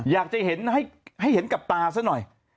อยากจะเห็นให้เห็นกับตาซะหน่อย